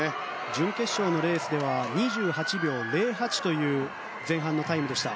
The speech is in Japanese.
準決勝のレースでは２８秒０８という前半のタイムでした。